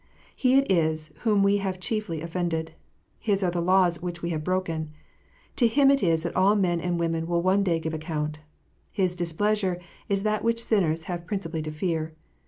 He it is whom we have chiefly offended : His are the laws which we have broken. To Him it is that all men and women will one day give account : His displeasure is that which sinners have principally to fear.